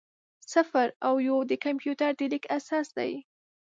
صفر او یو د کمپیوټر د لیک اساس دی.